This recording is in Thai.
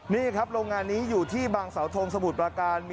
นี่ครับโรงงานนี้อยู่ที่บางสาวทงสมุทรประการ